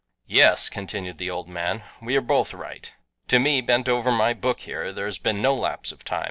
"Yes," continued the old man, "we are both right. To me, bent over my book here, there has been no lapse of time.